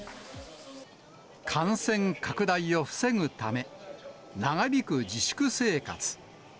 感染拡大を防ぐため、長引く自粛生活。